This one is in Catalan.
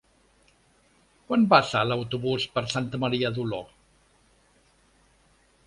Quan passa l'autobús per Santa Maria d'Oló?